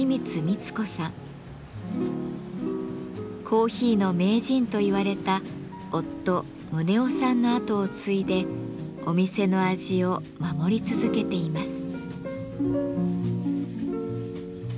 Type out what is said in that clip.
「コーヒーの名人」といわれた夫・宗男さんのあとを継いでお店の味を守り続けています。